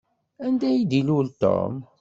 Anda ay d-ilul Tom?